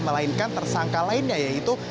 melainkan tersangka lainnya yaitu